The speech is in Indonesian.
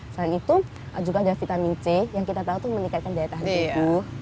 selain itu juga ada vitamin c yang kita tahu itu meningkatkan daya tahan tubuh